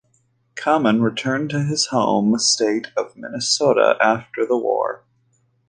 Kamman returned to his home state of Minnesota after the war.